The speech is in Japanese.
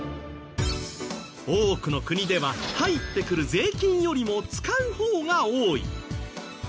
多くの国では入ってくる税金よりも使う方が多い。